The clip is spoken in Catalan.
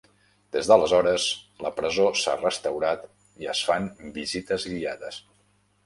Des d'aleshores, la presó s'ha restaurat i es fan visites guiades.